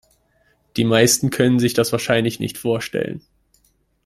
Die meisten können sich das wahrscheinlich nicht vorstellen.